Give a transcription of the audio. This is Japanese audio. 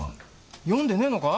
読んでねえのか？